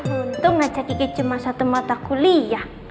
untung ngajak kiki cuma satu mata kuliah